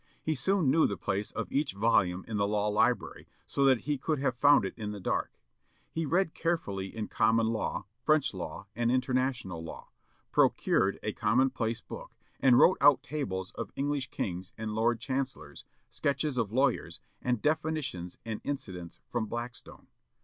He soon knew the place of each volume in the law library, so that he could have found it in the dark. He read carefully in common law, French law, and international law; procured a common place book, and wrote out tables of English kings and lord chancellors, sketches of lawyers, and definitions and incidents from Blackstone.